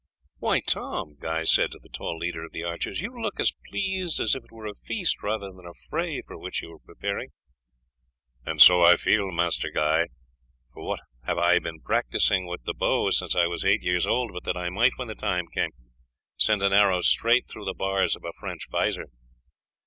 "Why, Tom," Guy said to the tall leader of the archers, "you look as pleased as if it were a feast rather than a fray for which you were preparing." "And so I feel, Master Guy. For what have I been practising with the bow since I was eight years old but that I might, when the time came, send an arrow straight through the bars of a French vizor?